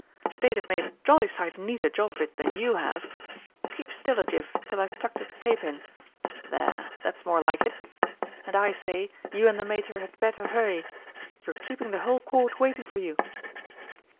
"They'd have made a jolly sight neater job of it than you have keep still a jiff till I've tucked this tape in. There that's more like it. And I say, you and the Mater had better hurry you're keeping the whole Court waiting for you!"